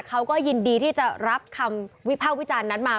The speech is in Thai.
เขาก็ยินดีที่จะรับคำวิภาควิจารณ์นั้นมา